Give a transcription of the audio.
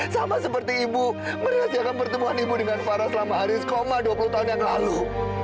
sama seperti ibu merahasiakan pertemuan ibu dengan farah selama aris koma dua puluh tahun yang lalu